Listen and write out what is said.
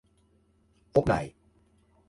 Opnij.